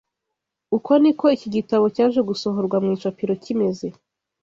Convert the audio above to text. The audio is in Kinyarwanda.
Uko ni ko iki gitabo cyaje gusohorwa mu icapiro kimeze